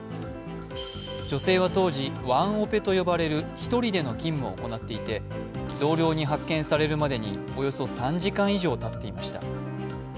女性は当時、ワンオペと呼ばれる１人での勤務を行っていて同僚に発見されるまでに、およそ３時間以上たっていました。